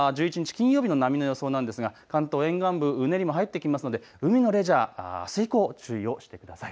金曜日の波の予想なんですが関東沿岸部、うねりも入ってきますので海のレジャーはあす以降、注意をしてください。